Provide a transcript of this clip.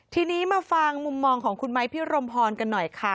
ทีนี้มาฟังมุมมองของคุณไม้พิรมพรกันหน่อยค่ะ